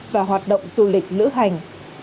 và hoạt động du lịch lữ hành